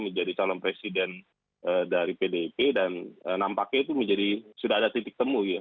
menjadi calon presiden dari pdip dan nampaknya itu menjadi sudah ada titik temu ya